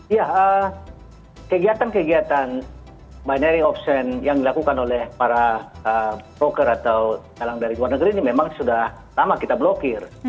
ya kegiatan kegiatan binary option yang dilakukan oleh para broker atau talang dari luar negeri ini memang sudah lama kita blokir